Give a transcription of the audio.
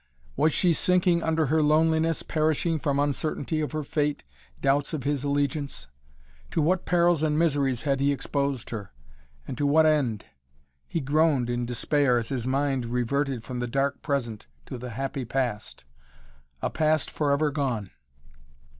Was she sinking under her loneliness, perishing from uncertainty of her fate, doubts of his allegiance? To what perils and miseries had he exposed her, and to what end? He groaned in despair, as his mind reverted from the dark present to the happy past. A past, forever gone!